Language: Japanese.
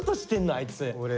あいつ。